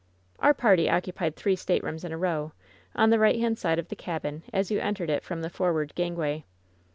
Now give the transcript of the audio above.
,Our party occupied three staterooms in a row, on the :% 48 WHEN SHADOWS DDS rightrliand side of the cabin as you entered it irom thfl forward gangway.